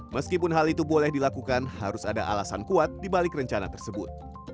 meskipun hal itu boleh dilakukan harus ada alasan kuat dibalik rencana tersebut